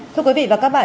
thưa quý vị và các bạn